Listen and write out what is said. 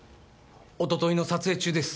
おとといの撮影中です。